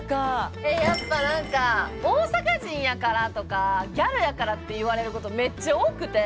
えやっぱ何か大阪人やからとかギャルやからって言われることめっちゃ多くて。